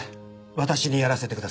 私にやらせてください。